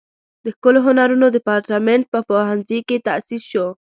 د ښکلو هنرونو دیپارتمنټ په پوهنځي کې تاسیس شو.